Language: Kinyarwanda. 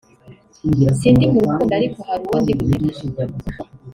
” Sindi mu rukundo ariko hari uwo ndi gutereta